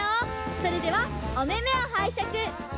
それではおめめをはいしゃく！